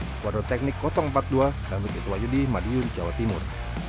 sekuadron teknik empat puluh dua dan bukit suwajudi madiun jawa timur